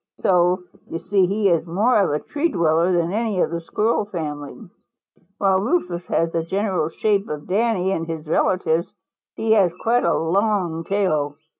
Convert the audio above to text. So you see he is more of a tree dweller than any of the Squirrel family. While Rufous has the general shape of Danny and his relatives, he has quite a long tail.